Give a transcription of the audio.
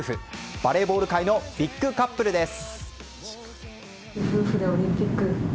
バレーボール界のビッグカップルです。